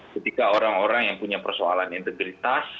ketika orang orang yang punya persoalan integritas